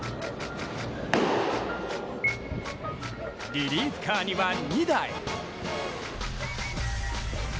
リリーフカーには２台。